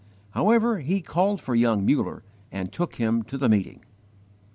However, he called for young Muller and took him to the meeting.